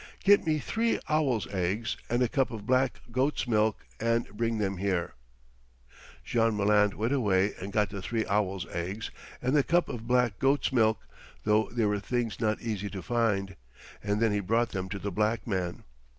Get me three owl's eggs and a cup of black goat's milk and bring them here." Jean Malin went away and got the three owl's eggs and the cup of black goat's milk, though they were things not easy to find, and then he brought them to the black man.